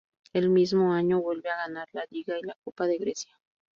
Ese mismo año vuelve a ganar la Liga y la Copa de Grecia.